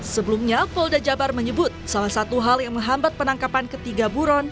sebelumnya polda jabar menyebut salah satu hal yang menghambat penangkapan ketiga buron